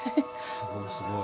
すごいすごい。